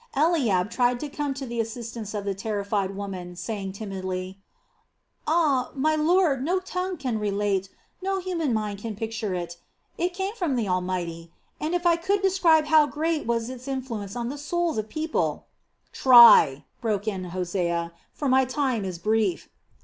Eliab tried to come to the assistance of the terrified woman, saying timidly, "Ah, my lord, no tongue can relate, no human mind can picture it. It came from the Almighty and, if I could describe how great was its influence on the souls of the people...." "Try," Hosea broke in, "but my time is brief.